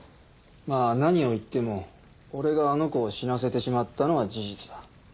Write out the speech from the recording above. まあ何を言っても俺があの子を死なせてしまったのは事実だ。